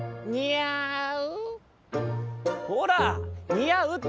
「にあう」って。